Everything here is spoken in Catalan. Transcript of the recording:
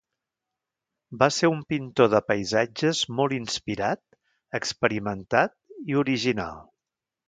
Va ser un pintor de paisatges molt inspirat, experimentat i original.